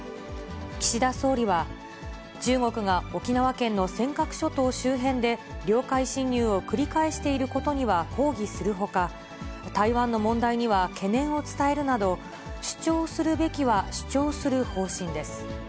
岸田総理は、中国が沖縄県の尖閣諸島周辺で領海侵入を繰り返していることには抗議するほか、台湾の問題には懸念を伝えるなど、主張するべきは主張する方針です。